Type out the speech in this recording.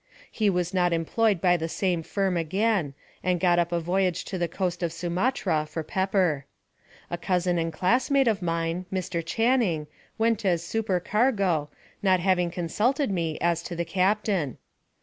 He was not employed by the same firm again, and got up a voyage to the coast of Sumatra for pepper. A cousin and classmate of mine, Mr. Channing, went as supercargo, not having consulted me as to the captain.